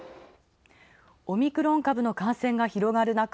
オミクロン株の感染が広がるなか